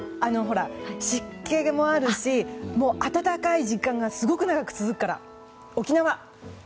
ほら、湿気もあるし暖かい時間がすごく長く続くから沖縄！